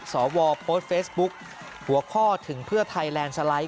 โพสต์เฟซบุ๊กหัวข้อถึงเพื่อไทยแลนด์สไลด์